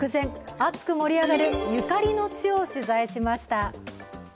熱く盛り上がる、ゆかりの地を取材しました。